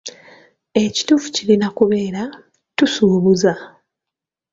"Ekituufu kirina kubeera ""tusuubuza."""